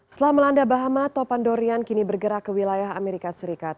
setelah melanda bahama topan dorian kini bergerak ke wilayah amerika serikat